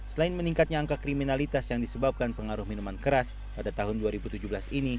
selain meningkatnya angka kriminalitas yang disebabkan pengaruh minuman keras pada tahun dua ribu tujuh belas ini